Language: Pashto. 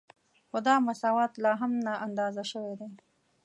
خو دا مساوات لا هم نااندازه شوی دی